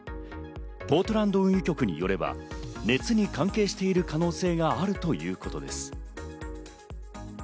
ポートランド運輸局によれば熱に関係している可能性があるということです。